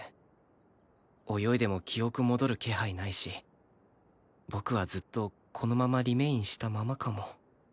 泳いでも記憶戻る気配ないし僕はずっとこのままリメインしたままかも。